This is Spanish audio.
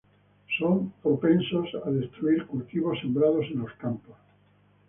Son propensos a destruir cultivos sembrados en los campos.